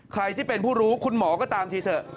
ใครที่เป็นผู้รู้คุณหมอก็ตามทีเถอะ